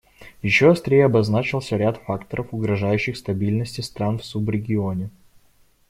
Еще острее обозначился ряд факторов, угрожающих стабильности стран в субрегионе.